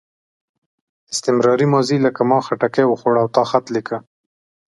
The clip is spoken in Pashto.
استمراري ماضي لکه ما خټکی خوړ او تا خط لیکه.